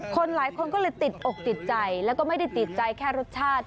หลายคนก็เลยติดอกติดใจแล้วก็ไม่ได้ติดใจแค่รสชาติ